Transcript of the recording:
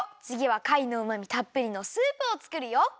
つぎはかいのうまみたっぷりのスープをつくるよ！